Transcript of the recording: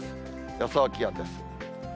予想気温です。